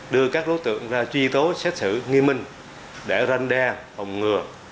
đưa các đối tượng ra truy tố xét xử nghiêm minh để ranh đe phòng ngừa